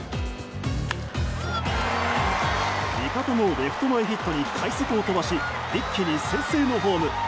味方のレフト前ヒットに快足を飛ばし一気に先制のホーム。